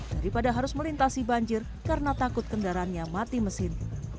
daripada harus melintasi banjir karena takut kendaraannya mati mesin